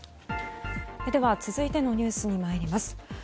では続いてのニュースに参ります。